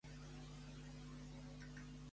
What a lovely War!